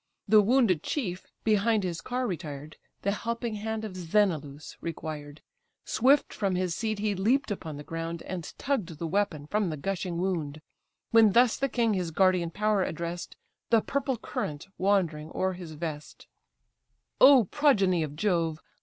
The wounded chief, behind his car retired, The helping hand of Sthenelus required; Swift from his seat he leap'd upon the ground, And tugg'd the weapon from the gushing wound; When thus the king his guardian power address'd, The purple current wandering o'er his vest: "O progeny of Jove!